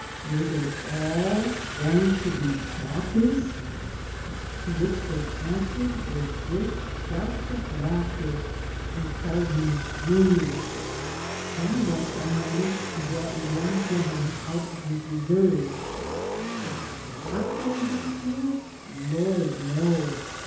Were they all going to be doctors? To which they 101 •^••••••••• .•.AJJ::A^PRieA']V IN THE MAKING answered with great shouts of laughter and called me "greeny." Only once I managed to draw a young gentleman out of his reserve. "A doctor!" he sneered. "Lord! no.